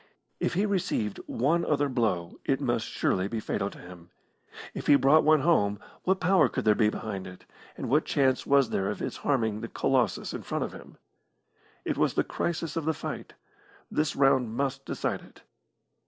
If he received one other blow it must surely be fatal to him. If he brought one home, what power could there be behind it, and what chance was there of its harming the colossus in front of him? It was the crisis of the fight. This round must decide it.